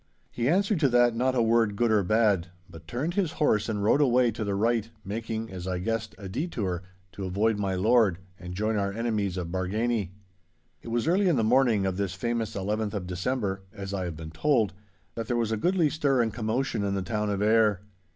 He answered to that not a word good nor bad, but turned his horse and rode away to the right, making, as I guessed, a detour to avoid my lord and join our enemies of Bargany. It was early in the morning of this famous eleventh of December (as I have been told) that there was a goodly stir and commotion in the town of Ayr.